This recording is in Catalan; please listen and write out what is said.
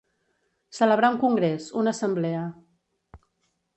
Celebrar un congrés, una assemblea.